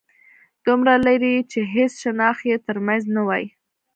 دومره لرې چې هيڅ شناخت يې تر منځ نه وای